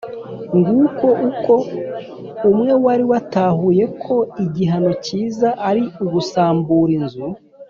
nguko uko umwe wari watahuye ko igihano cyiza ari ugusambura inzu